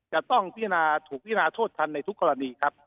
จะต้องถูกพิจารณาโทษทันในทุกกรณีครับ